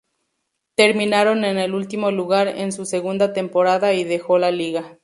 Terminaron en el último lugar en su segunda temporada y dejó la liga.